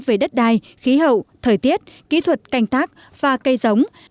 về đất đai khí hậu thời tiết kỹ thuật canh tác và cây giống